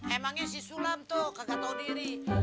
emangnya sih sulam tuh kagak tau diri